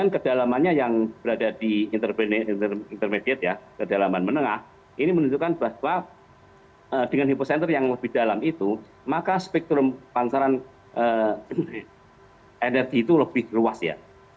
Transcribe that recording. kedalamannya yang berada di intermediate ya kedalaman menengah ini menunjukkan bahwa dengan hipocenter yang lebih dalam itu maka spektrum pasaran energi itu lebih luas ya